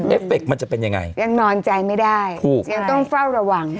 เอฟเคมันจะเป็นยังไงยังนอนใจไม่ได้ถูกยังต้องเฝ้าระวัง